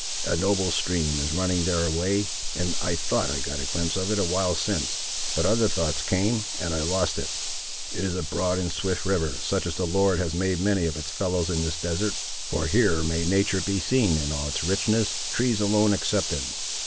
A noble stream is running thereaway, and I thought I got a glimpse of it a while since; but other thoughts came, and I lost it. It is a broad and swift river, such as the Lord has made many of its fellows in this desert. For here may natur' be seen in all its richness, trees alone excepted.